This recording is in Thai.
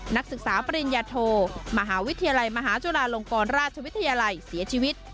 นักศึกษาปริญญาโทมหาวิทยาลัยมหาจุฬาลงกรราชวิทยาลัยเสียชีวิต